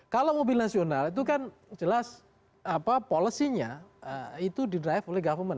kalau mobil nasional itu kan jelas policy nya itu di drive oleh government